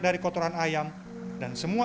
dari kotoran ayam dan semua